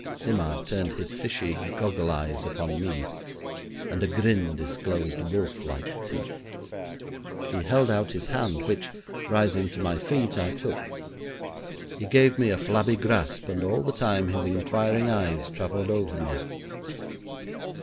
Simard turned his fishy goggle eyes upon me, and a grin disclosed wolf like teeth. He held out his hand, which, rising to my feet, I took. He gave me a flabby grasp, and all the time his inquiring eyes travelled over me.